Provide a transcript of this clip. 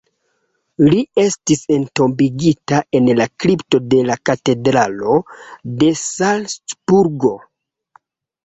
Li estis entombigita en la kripto de la Katedralo de Salcburgo.